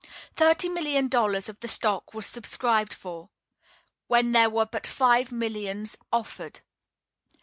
Thirty million dollars of the stock was subscribed for, when there were but five millions offered.